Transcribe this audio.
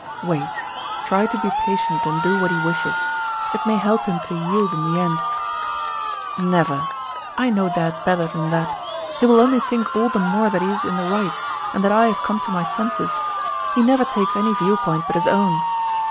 "Wait. Try to be patient and do what he wishes. It may help him to yield in the end." "Never! I know Dad better than that. He will only think all the more that he is in the right, and that I have come to my senses. He never takes any viewpoint but his own."